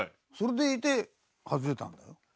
それでいて外れたんだよ。